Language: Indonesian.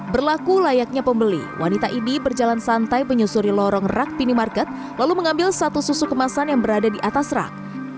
berlaku layaknya pembeli wanita ini berjalan santai menyusuri lorong rak minimarket lalu mengambil satu susu kemasan yang berada di atas rak